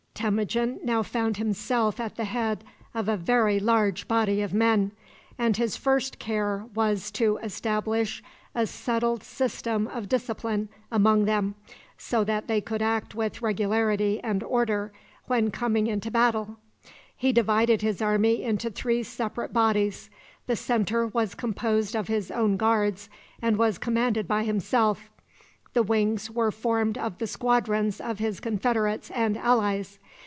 Temujin now found himself at the head of a very large body of men, and his first care was to establish a settled system of discipline among them, so that they could act with regularity and order when coming into battle. He divided his army into three separate bodies. The centre was composed of his own guards, and was commanded by himself. The wings were formed of the squadrons of his confederates and allies.